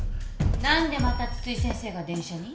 何でまた津々井先生が電車に？